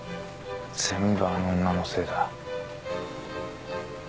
全部あの女のせいだ。